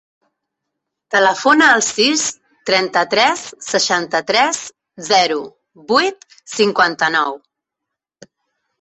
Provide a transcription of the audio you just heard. Telefona al sis, trenta-tres, seixanta-tres, zero, vuit, cinquanta-nou.